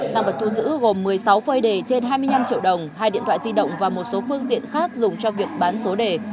tăng vật thu giữ gồm một mươi sáu phơi đề trên hai mươi năm triệu đồng hai điện thoại di động và một số phương tiện khác dùng cho việc bán số đề